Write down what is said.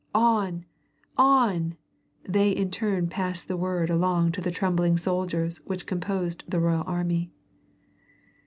"On! On!" they, in turn, passed the word along to the trembling soldiers which composed the royal army.